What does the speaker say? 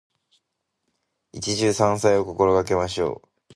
一汁三菜を心がけましょう。